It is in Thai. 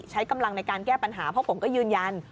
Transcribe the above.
ใช้กำลังในการแก้ปัญหาเพราะผมก็ยืนยัน